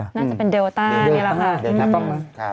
น่าจะเป็นเดลต้านี่แหละค่ะ